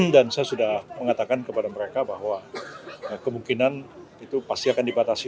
dan saya sudah mengatakan kepada mereka bahwa kemungkinan itu pasti akan dipatasi